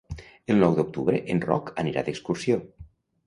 El nou d'octubre en Roc anirà d'excursió.